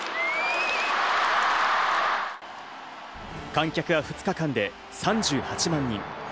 観客は２日間で３８万人。